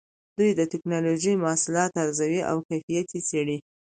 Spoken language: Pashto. دوی د ټېکنالوجۍ محصولات ارزوي او کیفیت یې څېړي.